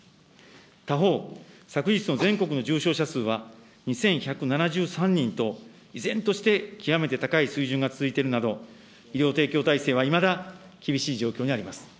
他方、昨日の全国の重症者数は２１７３人と、依然として極めて高い水準が続いているなど、医療提供体制はいまだ厳しい状況にあります。